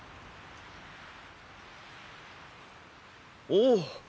おお。